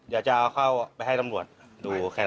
อยากจะไปเอาไปให้ตำรวจดูแค่นั้น